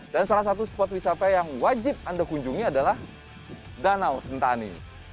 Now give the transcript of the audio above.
dan salah satu spot wisata yang wajib anda kunjungi adalah danau sentani